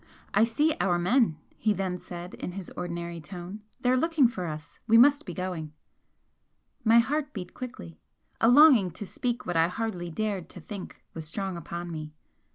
"I see our men," he then said, in his ordinary tone, "They are looking for us. We must be going." My heart beat quickly. A longing to speak what I hardly dared to think, was strong upon me.